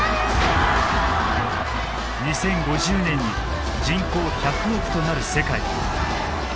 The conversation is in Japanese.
２０５０年に人口１００億となる世界。